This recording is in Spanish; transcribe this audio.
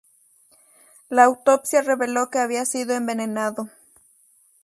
La autopsia reveló que había sido envenenado.